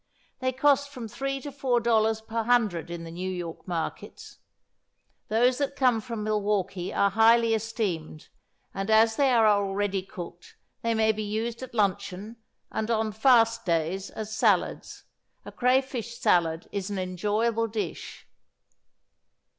They cost from three to four dollars per hundred in the New York markets. Those that come from Milwaukee are highly esteemed; and, as they are already cooked, they may be used at luncheon, and on fast days as salads. A crayfish salad is an enjoyable dish.